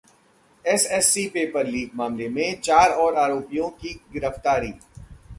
SSC paper leak मामले में चार और आरोपियों की गिरफ्तारी